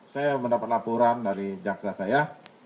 saya mendapat laporan dari jaksa saya